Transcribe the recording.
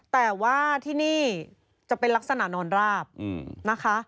แต่ว่าที่นี่จะเป็นลักษณะนอนราบนะคะ